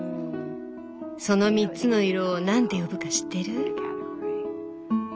その３つの色をなんて呼ぶか知ってる？